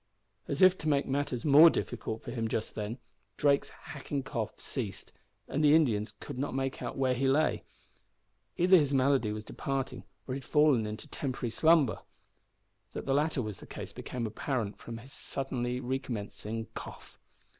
As if to make matters more difficult for him just then, Drake's hacking cough ceased, and the Indian could not make out where he lay. Either his malady was departing or he had fallen into a temporary slumber! That the latter was the case became apparent from his suddenly recommencing the cough.